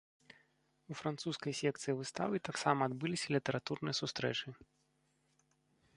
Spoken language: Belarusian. У французскай секцыі выставы таксама адбыліся літаратурныя сустрэчы.